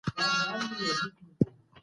آیا کورنۍ د ټولنې اصلي هسته ده؟